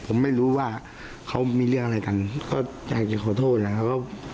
ผมไม่รู้ว่าเขามีเรื่องอะไรกันก็อยากจะขอโทษนะครับ